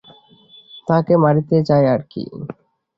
তাহাকে মারিতে যায় আর কি।